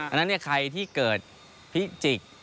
อันนั้นเนี่ยใครที่เกิดพิจิก